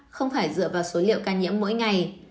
không phải dựa vào số liệu ca nhiễm mỗi ngày